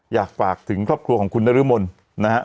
อยากฝากถึงครอบครัวของคุณนรมนนะฮะ